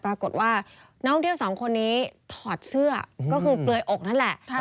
ปรากฏว่านักท่องเที่ยวสองคนนี้ถอดเสื้อก็คือเปลือยอกนั่นแหละ